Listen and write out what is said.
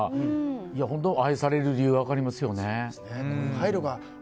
本当に愛される理由が分かりますよね。